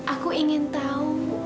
aku ingin tahu